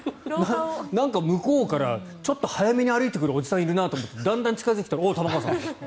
なんか向こうからちょっと速めに歩いてくるおじさんがいるなと思ってだんだん近付いてきたらおっ、玉川さんだって。